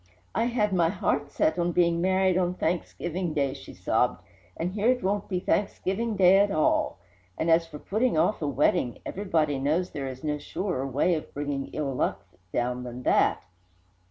"I had set my heart on being married on Thanksgiving Day," she sobbed, "And here it won't be Thanksgiving Day at all! And as for putting off a wedding, everybody knows there is no surer way of bringing ill luck down than that!